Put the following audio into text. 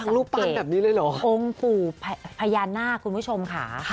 รูปปั้นแบบนี้เลยเหรอองค์ปู่พญานาคคุณผู้ชมค่ะ